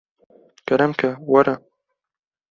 kerem ke were